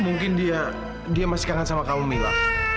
mungkin dia masih kangen sama kamu mila